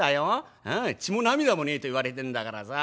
あ血も涙もねえといわれてんだからさ」。